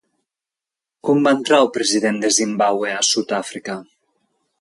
Com va entrar el president de Zimbàbue a Sud-àfrica?